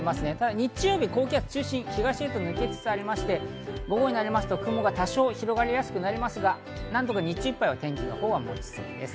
日曜日、高気圧の中心は東に抜けつつあって、午後になりますと多少、雲が広がりやすくなりますが、日中いっぱいは天気は持ちそうです。